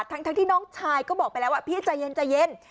ทั้งที่น้องชายก็บอกไปแล้วว่าพี่ใจเย็น